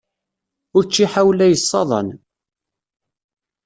Učči ḥawla yessaḍan.